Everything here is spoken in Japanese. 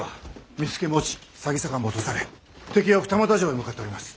見附も落ち匂坂も落とされ敵は二俣城へ向かっております。